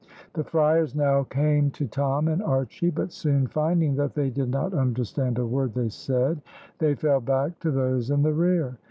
The friars now came to Tom and Archy, but soon finding that they did not understand a word they said they fell back to those in the rear.